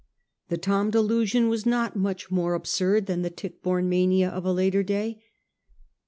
The Thom delusion was not much more absurd than the Tichbome mania of a later day.